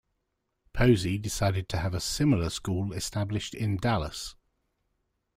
Posey decided to have a similar school established in Dallas.